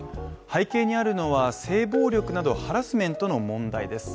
背景にあるのは性暴力などハラスメントの問題です。